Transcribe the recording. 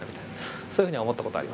そういうふうに思った事ありますね。